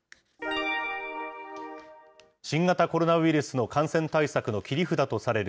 新型コロナウイルスの感染対策の切り札とされる